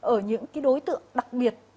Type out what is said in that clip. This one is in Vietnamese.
ở những cái đối tượng đặc biệt